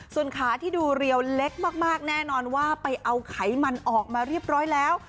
ส่วนขาที่ดูเรียวเล็กมากแน่นอนว่าไปเอาไขมันออกมาเรียบร้อยแล้ว